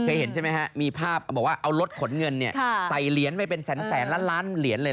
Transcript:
เห็นใช่ไหมฮะมีภาพบอกว่าเอารถขนเงินใส่เหรียญไปเป็นแสนล้านล้านเหรียญเลย